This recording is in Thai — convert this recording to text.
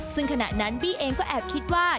ซึ่งขณะนั้นบี้เองก็แอบคิดว่า